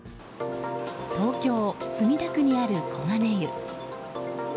東京・墨田区にある黄金湯。